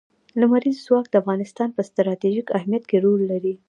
لمریز ځواک د افغانستان په ستراتیژیک اهمیت کې رول لري.